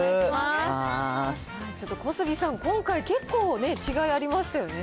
ちょっと小杉さん、今回、結構ね、違いありましたよね。